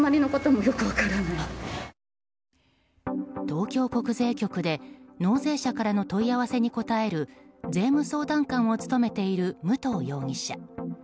東京国税局で納税者からの問い合わせに答える税務相談官を務めている武藤容疑者。